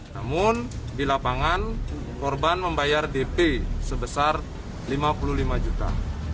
namun di lapangan korban membayar dp sebesar rp lima puluh lima juta